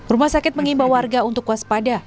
rumah sakit mengimbau warga untuk waspada